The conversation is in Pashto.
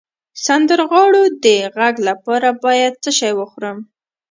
د سندرغاړو د غږ لپاره باید څه شی وخورم؟